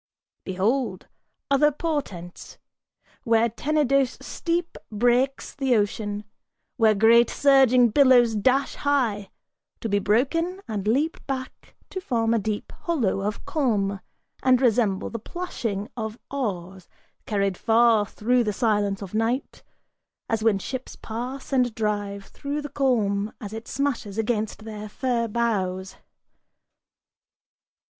Behold! Other portents: Where Tenedos steep breaks the ocean Where great surging billows dash high; to be broken, and leap back To form a deep hollow of calm, and resemble the plashing Of oars, carried far through the silence of night, as when ships pass And drive through the calm as it smashes against their fir bows.